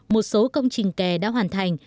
một số công trình kè đã hoàn thành